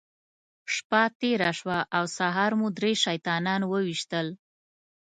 شپه تېره شوه او سهار مو درې شیطانان وويشتل.